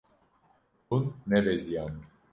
Hûn nebeziyane.